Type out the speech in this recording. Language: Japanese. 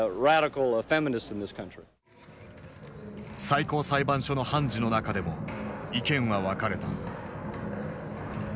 最高裁判所の判事の中でも意見は分かれた。